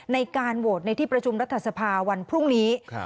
ในการโหวตในที่ประชุมรัฐสภาวันพรุ่งนี้